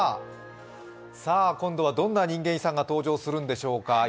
今度はどんな人間遺産が登場するんでしょうか？